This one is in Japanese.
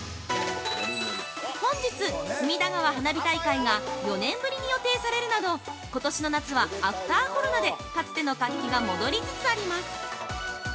本日、隅田川花火大会が４年ぶりに予定されるなどことしの夏は、アフターコロナでかつての活気が戻りつつあります。